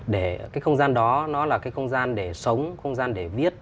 để cái không gian đó nó là cái không gian để sống không gian để viết